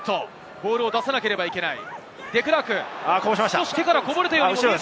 ボールを出さなければいけない。